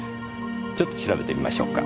ちょっと調べてみましょうか。